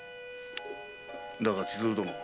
だが千鶴殿。